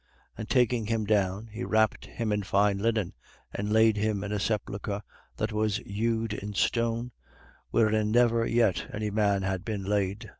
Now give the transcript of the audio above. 23:53. And taking him down, he wrapped him in fine linen and laid him in a sepulchre that was hewed in stone, wherein never yet any man had been laid.